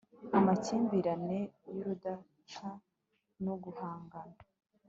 amakimbirane y'urudacan'uguhangana